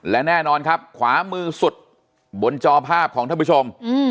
และแน่นอนครับขวามือสุดบนจอภาพของท่านผู้ชม